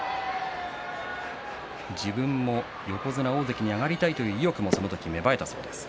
自分も横綱、大関に上がりたいという意欲も芽生えたということです。